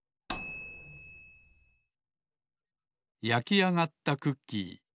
やきあがったクッキー